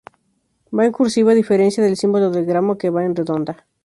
Va en cursiva, a diferencia del símbolo del gramo, que va en redonda.